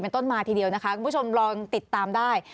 ต้นมาทีเดียวนะคะคุณผู้ชมลองติดตามได้